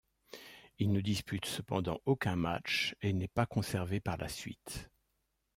Il ne dispute cependant aucun match et n'est pas conservé par la suite.